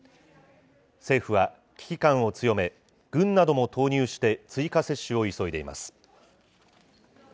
政府は危機感を強め、軍なども投入して追加接種を急いでいます。